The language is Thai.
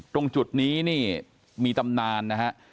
ตรงจุดนี้นี่มีตำนานนะฮะ